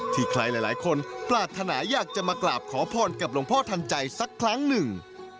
ใครหลายคนปรารถนาอยากจะมากราบขอพรกับหลวงพ่อทันใจสักครั้งหนึ่ง